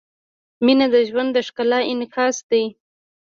• مینه د ژوند د ښکلا انعکاس دی.